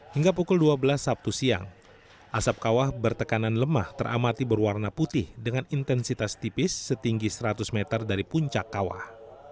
hingga pukul dua belas sabtu siang asap kawah bertekanan lemah teramati berwarna putih dengan intensitas tipis setinggi seratus meter dari puncak kawah